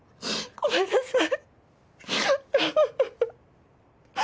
ごめんなさい。